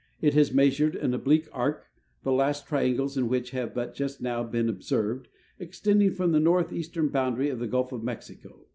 It has measured an oblique arc, the last triangles in which have but just now been observed, extending from the northeast ern boundary to the Gulf of Mexico.